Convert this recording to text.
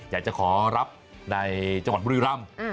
อยากจะขอรับในจังหวัดบุรีรำ